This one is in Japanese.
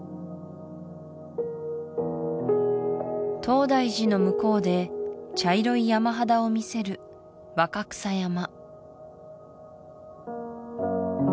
東大寺の向こうで茶色い山肌を見せる若草山